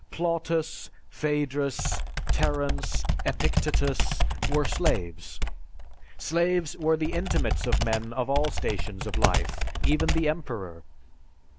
Plautus, Phædrus, Terence, Epictetus, were slaves. Slaves were the intimates of men of all stations of life, even the emperor.